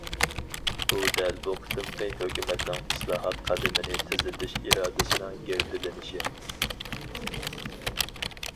بۇ دەل بۇ قېتىمقى ھۆكۈمەتنىڭ ئىسلاھات قەدىمىنى تېزلىتىش ئىرادىسىنىڭ گەۋدىلىنىشى.